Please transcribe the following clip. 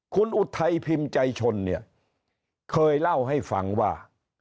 คุณอุทัยพิมพ์ใจชนเนี่ยเคยเล่าให้ฟังว่า